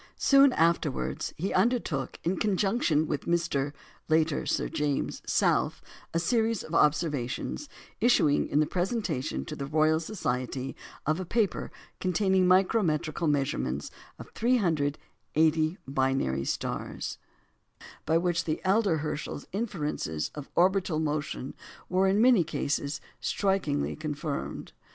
Soon afterwards, he undertook, in conjunction with Mr. (later Sir James) South, a series of observations, issuing in the presentation to the Royal Society of a paper containing micrometrical measurements of 380 binary stars, by which the elder Herschel's inferences of orbital motion were, in many cases, strikingly confirmed.